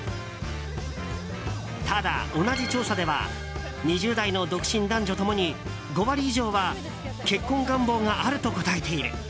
ただ、同じ調査では２０代の独身男女共に５割以上は結婚願望があると答えている。